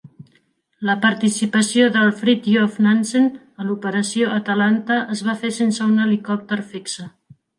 La participació del "Fridtjof Nansen" a l'Operació Atalanta es va fer sense un helicòpter fixe.